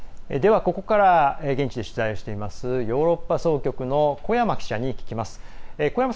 ここからは現地で取材していますヨーロッパ総局の古山記者に聞きます。